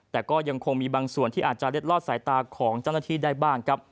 แต่ก็ยังคงมีบางส่วนที่อาจจะเล็ดลอดสายตาของเจ้าหน้าที่ได้บ้างครับ